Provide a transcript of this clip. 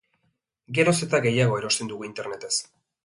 Geroz eta gehiago erosten dugu internetez.